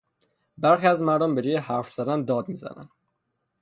برخی از مردم به جای حرف زدن داد میزنند.